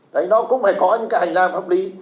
đấy nó cũng phải có những cái hành lang pháp lý